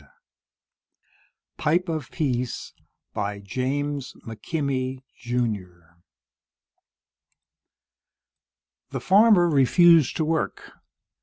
_ Pipe of Peace By James McKimmey, Jr. The farmer refused to work.